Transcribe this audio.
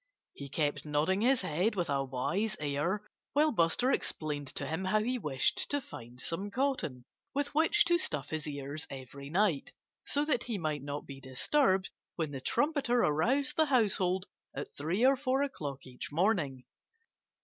He kept nodding his head with a wise air while Buster explained to him how he wished to find some cotton, with which to stuff his ears every night, so that he might not be disturbed when the trumpeter aroused the household at three or four o'clock each morning.